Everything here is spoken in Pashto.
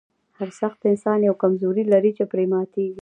هر سخت انسان یوه کمزوري لري چې پرې ماتیږي